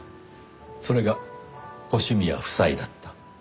それが星宮夫妻だった。